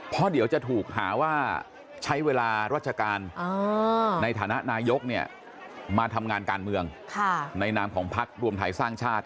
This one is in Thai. เพราะเดี๋ยวจะถูกหาว่าใช้เวลาราชการในฐานะนายกมาทำงานการเมืองในนามของพักรวมไทยสร้างชาติ